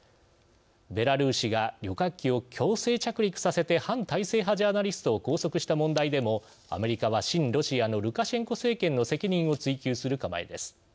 ベラルーシが旅客機を強制着陸させて反体制派ジャーナリストを拘束した問題でもアメリカは親ロシアのルカシェンコ政権の責任を追及する構えです。